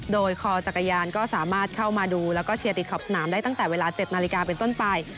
โดยคอจักรยานก็สามารถเข้ามาดูแล้วก็เชียร์ติดขอบสนามได้ตั้งแต่เวลา๗นาฬิกาเป็นต้นไป